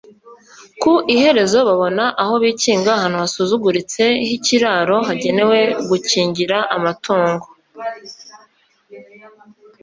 Ku iherezo babona aho bikinga ahantu hasuzuguritse h'ikiraro hagenewe gukingira amaturugo,